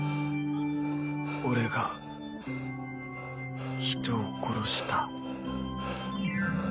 俺が人を殺した